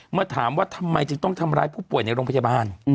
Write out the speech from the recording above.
เมื่อถามว่าทำไมจึงต้องทำร้ายผู้ป่วยในโรงพยาบาล